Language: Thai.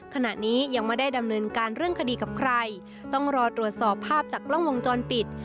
ขณะนี้ยังไม่ได้ดำเนินการเรื่องคดีกับใครต้องรอตรวจสอบภาพจากกล้องวงจรปิด